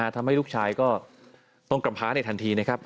ทำให้ลูกชายก็ต้องกำพ้าในทันทีนะครับ